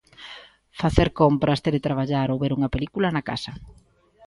Facer compras, teletraballar ou ver unha película na casa.